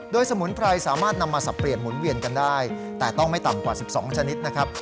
โดยสมุนไพรสามารถนำมาสับเปลี่ยนหมุนเวียนกันได้แต่ต้องไม่ต่ำกว่า๑๒ชนิดนะครับ